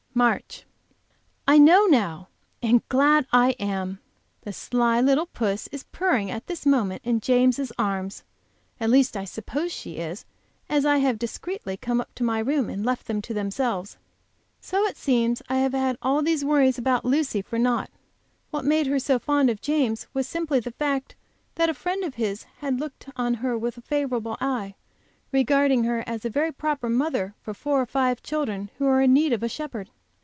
MARCH. I know now, and glad I am! The sly little puss is purring at this moment in James' arms; at least I suppose she is, as I have discreetly come up to my room and left them to themselves. So it seems I have had all these worries about Lucy for naught. What made her so fond of James was simply the fact that a friend of his had looked on her with a favorable eye, regarding her as a very proper mother for four or five children who are in need of a shepherd.